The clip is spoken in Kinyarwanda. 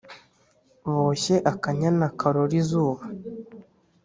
boshye akanyana karora izuba